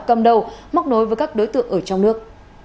cầm đầu móc nối với các đối tượng ở trong nước